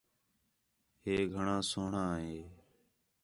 ہے گھݨاں سوہݨاں ہے